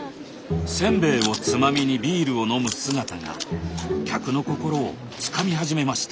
せんべいをつまみにビールを飲む姿が客の心をつかみ始めました。